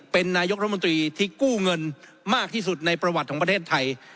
เป็นนายกรัฐมนตรีที่กู้เงินมากที่สุดในประวัติของประเทศไทย